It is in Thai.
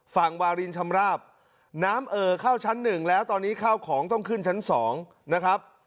วารินชำราบน้ำเอ่อเข้าชั้นหนึ่งแล้วตอนนี้ข้าวของต้องขึ้นชั้น๒นะครับ